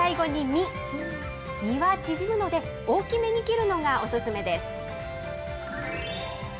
身は縮むので、大きめに切るのがお勧めです。